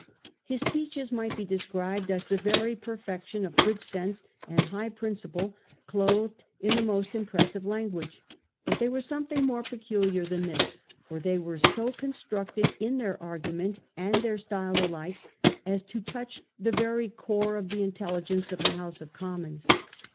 His speeches might be described as the very perfection of good sense and high principle clothed in the most impressive lan guage. But they were something more peculiar than this, for they were so constructed, in their argument and their style alike, as to touch the very core of the intelligence of the House of Commons.